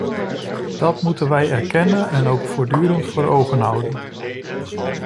Dat moeten wij erkennen en ook voortdurend voor ogen houden.